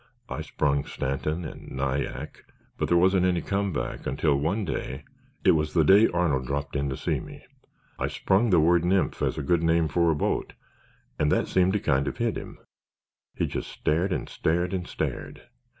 I sprung Stanton and Nyack but there wasn't any come back until one day—it was the day Arnold dropped in to see me—I sprung the word Nymph as a good name for a boat and that seemed to kind of hit him. He just stared and stared and stared.